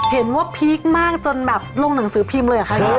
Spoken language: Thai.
เห็นว่าว่าพีคมากจนแบบลงหนังสือพิมท์เลยอะครับ